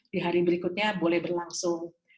di hari berikutnya boleh berlangsung